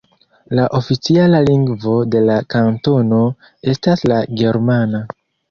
La oficiala lingvo de la kantono estas la germana.